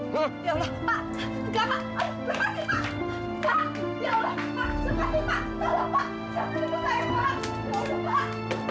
ya allah pak